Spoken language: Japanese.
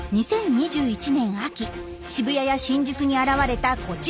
２０２１年秋渋谷や新宿に現れたこちらのサル。